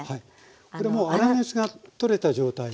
これもう粗熱が取れた状態ですよね？